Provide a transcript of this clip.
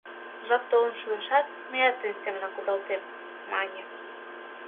Жап толын шуэшат, мыят тыйын семынак кудалтем», — мане.